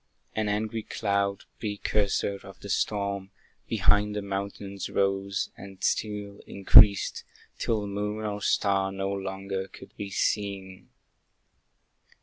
An angry cloud, precursor of the storm, Behind the mountains rose, and still increased, Till moon or star no longer could be seen.